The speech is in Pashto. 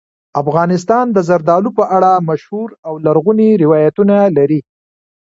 افغانستان د زردالو په اړه مشهور او لرغوني روایتونه لري.